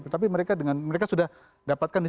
tapi mereka sudah dapatkan